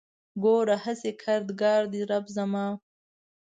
ګوره هسې کردګار دی رب زما